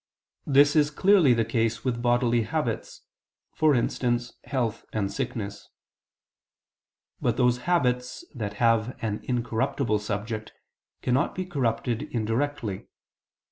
This is clearly the case with bodily habits for instance, health and sickness. But those habits that have an incorruptible subject, cannot be corrupted indirectly.